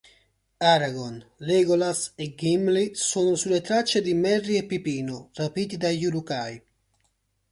Aragorn, Legolas e Gimli sono sulle tracce di Merry e Pipino rapiti dagli Uruk-hai.